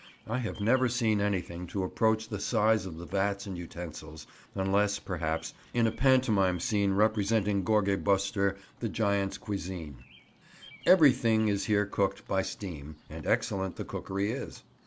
I have never seen anything to approach the size of the vats and utensils, unless, perhaps, in a pantomime scene representing Gorgeybuster the giant's cuisine. Everything is here cooked by steam, and excellent the cookery is.